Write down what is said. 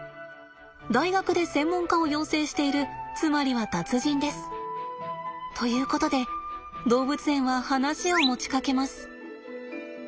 大学で専門家を養成しているつまりは達人です。ということで動物園は話を持ちかけます。